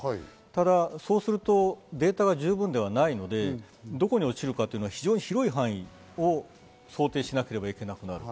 ただ、そうするとデータは十分ではないので、どこに落ちるかというのは非常に広い範囲を想定しなければいけなくなる。